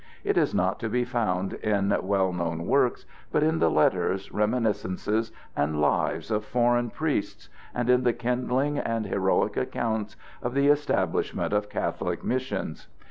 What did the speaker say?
It is not to be found in well known works, but in the letters, reminiscences, and lives of foreign priests, and in the kindling and heroic accounts of the establishment of Catholic missions.